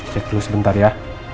cek dulu sebentar ya